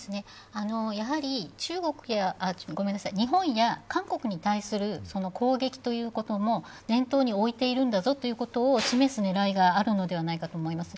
やはり日本や韓国に対する攻撃ということも念頭に置いているんだぞということを示す狙いがあるのではないかと思います。